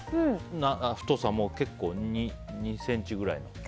太さも結構２ｃｍくらいの。